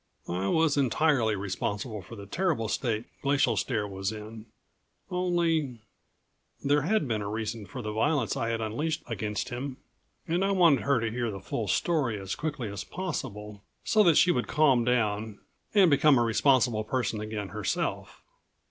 I was entirely responsible for the terrible state Glacial Stare was in. Only ... there had been a reason for the violence I had unleashed against him, and I wanted her to hear the full story as quickly as possible, so that she would calm down and become a responsible person again herself.